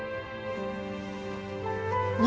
何？